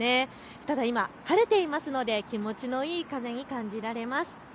ただ今、晴れていますので気持ちのいい風に感じられます。